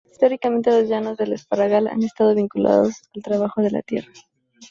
Históricamente los Llanos del Esparragal han estado vinculados al trabajo de la tierra.